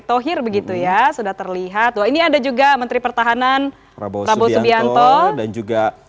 oh ada menteri juga